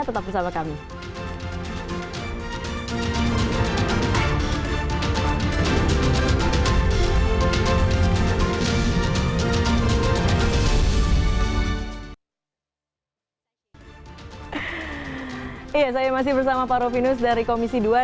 tetap bersama kami